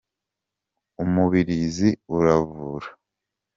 umubirizi uravura.